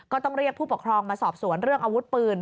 ก็ต้องเรียกผู้ปกครองมาสอบสวนเรื่องอาวุธปืน